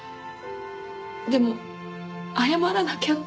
でも謝らなきゃって。